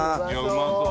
うまそう。